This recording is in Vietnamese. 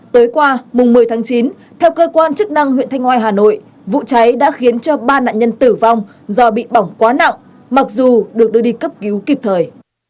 tối qua mùng một mươi tháng chín theo cơ quan chức năng huyện thanh ngoa hà nội vụ cháy đã khiến cho ba nạn nhân tử vong do bị bỏng quá nặng mặc dù được đưa đi cấp cứu kịp thời